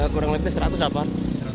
kurang lebih seratus dapat